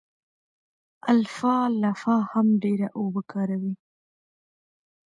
الفالفا هم ډېره اوبه کاروي.